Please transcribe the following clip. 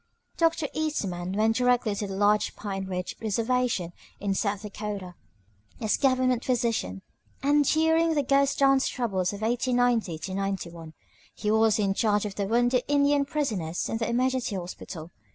Doctor Eastman went directly to the large Pine Ridge reservation in South Dakota as Government physician; and during the "Ghost dance" troubles of 1890 91 he was in charge of the wounded Indian prisoners in their emergency hospital.